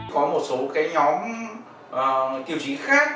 có một số cái nhóm tiêu chí khác